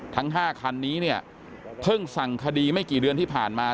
ทั้ง๕คันนี้เนี่ยเพิ่งสั่งคดีไม่กี่เดือนที่ผ่านมา